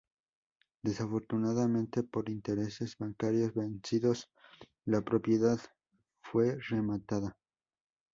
Desafortunadamente por intereses bancarios vencidos la propiedad fue rematada.